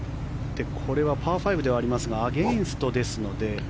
パー５ではありますがアゲンストですので。